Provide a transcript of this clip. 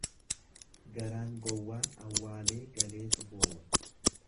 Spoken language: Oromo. Garaan gowwaan awwaalee galeetu boowa.